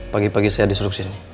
pagi pagi saya disuruh kesini